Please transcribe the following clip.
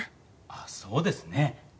ああそうですね。